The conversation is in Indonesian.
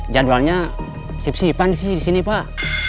jadwalnya sip sipan sih di sini pak